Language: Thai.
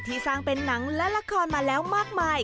สร้างเป็นหนังและละครมาแล้วมากมาย